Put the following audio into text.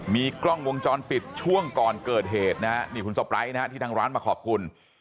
มีกล้องวงจรปิดช่วงก่อนเกิดเหตุนะฮะนี่คุณสไปร์นะฮะที่ทางร้านมาขอบคุณ